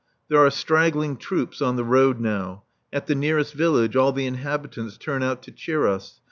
There are straggling troops on the road now. At the nearest village all the inhabitants turn out to cheer us.